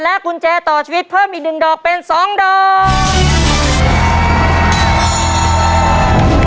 กุญแจต่อชีวิตเพิ่มอีก๑ดอกเป็น๒ดอก